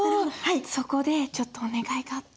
そこでちょっとお願いがあって。